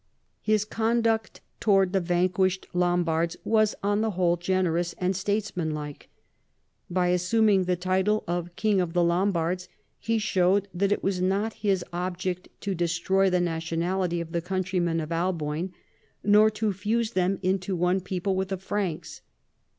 His conduct towards the vanquished Lombards was, on the whole, generous and statesmanlike. By assuming the title of King of the Lombards he showed that it was not his object to destroy the nationality of the countrymen of Alboin, nor to fuse them into one people with the Franks.